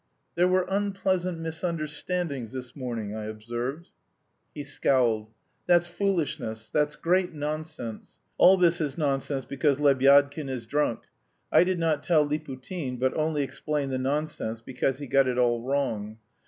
"There were unpleasant misunderstandings this morning," I observed. He scowled. "That's foolishness; that's great nonsense. All this is nonsense because Lebyadkin is drunk. I did not tell Liputin, but only explained the nonsense, because he got it all wrong.